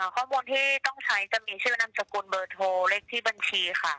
ข้อมูลที่ต้องใช้จะมีชื่อนามสกุลเบอร์โทรเลขที่บัญชีค่ะ